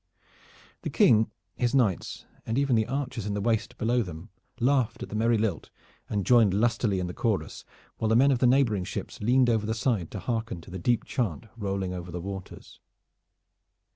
The King, his knights, and even the archers in the waist below them, laughed at the merry lilt and joined lustily in the chorus, while the men of the neighboring ships leaned over the side to hearken to the deep chant rolling over the waters.